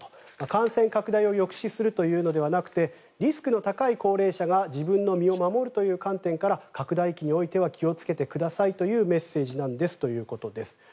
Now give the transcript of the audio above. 感染拡大を抑止するというのではなくてリスクの高い高齢者が自分の身を守るという観点から拡大期においては気をつけてくださいというメッセージなんですということです。